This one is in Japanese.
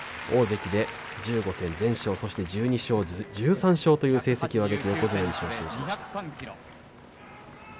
大関で１５戦全勝そして１２勝１３勝という成績が挙がって横綱に昇進しています。